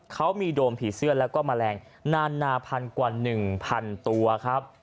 เขามีโดมผีเสื้อแล้วก็แมลงนานนาพันกว่า๑๐๐๐ตัวครับ